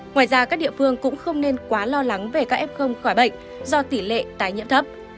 ngoài ra các địa phương cũng không nên quá lo lắng về các f khỏi bệnh do tỷ lệ tái nhiễm thấp